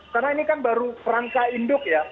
karena ini kan baru rangka induk ya